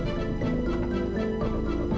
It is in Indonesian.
memang kamu gak jauh jauh